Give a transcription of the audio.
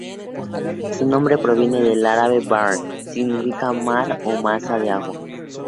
Su nombre proviene del árabe "Bahr" que significa "mar" o "masa de agua".